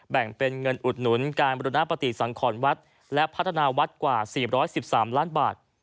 แบ่งเป็นเงินอุดหนุนการบริณปฏิสังขรวัดและพัฒนาวัดกว่า๔๑๓ล้านบาท